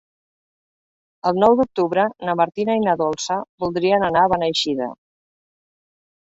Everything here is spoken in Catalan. El nou d'octubre na Martina i na Dolça voldrien anar a Beneixida.